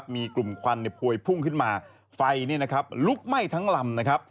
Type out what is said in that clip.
มีกลุ่มควันพวยพุ่งขึ้นมาไฟลุกไหม้ทั้งลำนะครับ